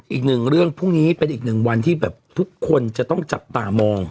อีกหนึ่งเรื่องพรุ่งนี้เป็นอีกหนึ่งวันที่แบบทุกคนจะต้องจับตามอง